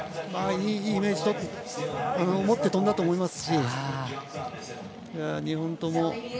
いいイメージを持って飛んだと思いますし、２本とも。